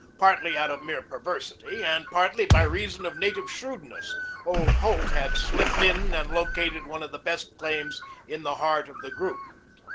Partly out of mere perversity and partly by reason of native shrewdness, old Holt had slipped in and located one of the best claims in the heart of the group.